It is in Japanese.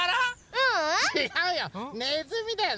ううん！ちがうよ！